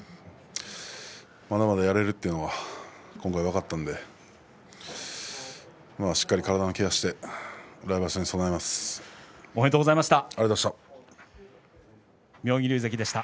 まだまだやれるというのは今回分かったのでしっかり体のケアをしておめでとうございました。